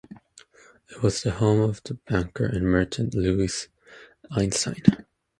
It was the home of the banker and merchant Louis Einstein.